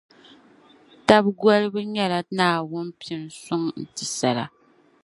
Taba golibu nyɛla Naawuni pini suŋ n-ti sala.